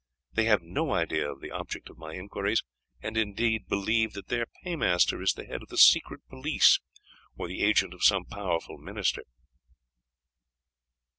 They have no idea of the object of my inquiries, and indeed believe that their paymaster is the head of the secret police, or the agent of some powerful minister.'